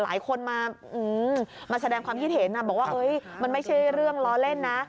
หลายคนมาแสดงความคิดเห็นบอกว่ามันไม่ใช่เรื่องล้อเล่นนะ